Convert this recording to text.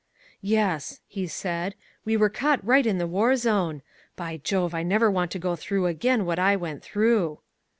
"Yes," he said, "we were caught right in the war zone. By Jove, I never want to go through again what I went through."